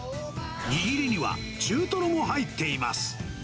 握りには中トロも入っています。